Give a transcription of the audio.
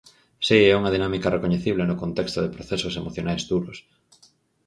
Si, é unha dinámica recoñecible no contexto de procesos emocionais duros.